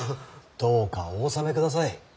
どうかお納めください。